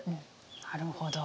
なるほど。